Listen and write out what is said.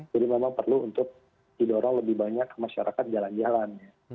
jadi memang perlu untuk didorong lebih banyak ke masyarakat jalan jalannya